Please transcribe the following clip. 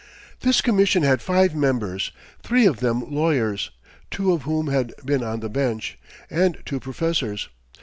This Commission had five members, three of them lawyers (two of whom had been on the bench), and two professors.